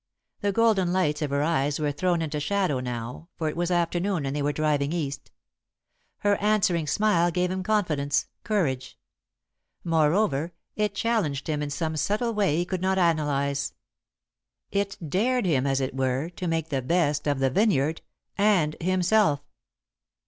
The golden lights of her eyes were thrown into shadow now, for it was afternoon and they were driving east. Her answering smile gave him confidence, courage. Moreover, it challenged him in some subtle way he could not analyse. It dared him, as it were, to make the best of the vineyard and himself.